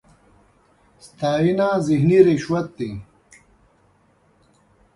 ستاېنه ذهني رشوت دی.